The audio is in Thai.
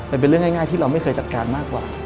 มันเป็นเรื่องง่ายที่เราไม่เคยจัดการมากกว่า